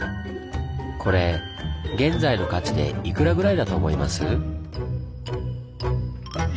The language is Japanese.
これ現在の価値でいくらぐらいだと思います？